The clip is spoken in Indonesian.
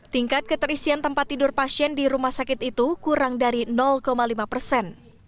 tingkat keterisian tempat tidur pasien di rumah sakit itu kurang dari lima persen